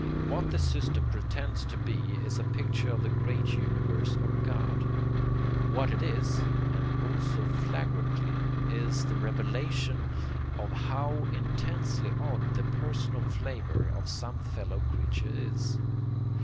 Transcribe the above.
What the system pretends to be is a picture of the great universe of God. What it is and oh so flagrantly! is the revelation of how intensely odd the personal flavor of some fellow creature is.